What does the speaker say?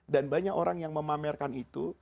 dan banyak orang yang memamerkan itu